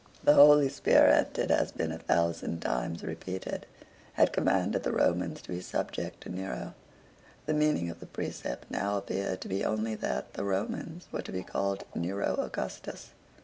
The Holy Spirit, it had been a thousand times repeated, had commanded the Romans to be subject to Nero. The meaning of the precept now appeared to be only that the Romans were to call Nero Augustus.